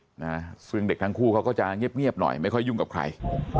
นะซึ่งเด็กทั้งคู่เขาก็จะเงียบเงียบหน่อยไม่ค่อยยุ่งกับใคร